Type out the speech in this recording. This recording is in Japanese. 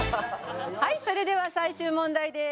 「はいそれでは最終問題です」